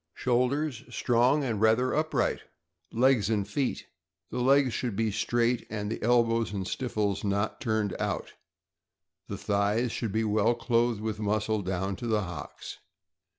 Shoulders strong and rather upright. Legs and feet. — The legs should be straight, and the elbows and stifles not turned out. The thighs should be well clothed with muscle down to the hocks.